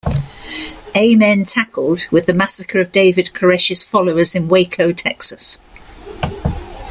"Amen" tackled with the massacre of David Koresh's followers in Waco, Texas.